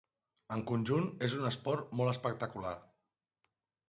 En conjunt és un esport molt espectacular.